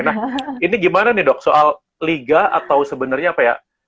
nah ini gimana nih dok soal liga atau sebenarnya apa ya